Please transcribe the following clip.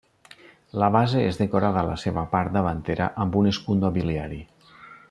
La base és decorada a la seva part davantera amb un escut nobiliari.